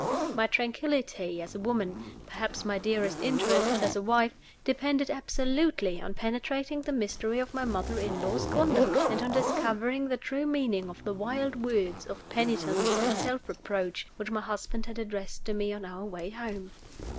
My tranquillity as a woman perhaps my dearest interests as a wife depended absolutely on penetrating the mystery of my mother in law's conduct, and on discovering the true meaning of the wild words of penitence and self reproach which my husband had addressed to me on our way home.